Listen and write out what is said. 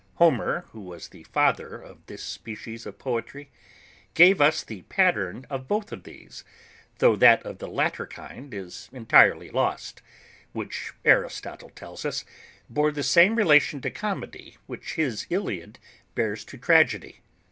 HOMER, who was the father of this species of poetry, gave us a pattern of both these, though that of the latter kind is entirely lost; which Aristotle tells us, bore the same relation to comedy which his Iliad bears to tragedy.